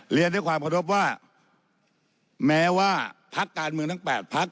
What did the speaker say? เรียนด้วยความรับว่าแม้ว่าภักษ์การเมืองทั้ง๘ภักษ์